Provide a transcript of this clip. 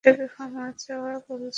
এটাকে ক্ষমা চাওয়া বলছিস?